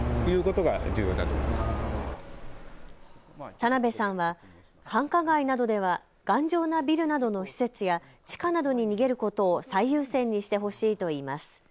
田邉さんは繁華街などでは頑丈なビルなどの施設や地下などに逃げることを最優先にしてほしいといいます。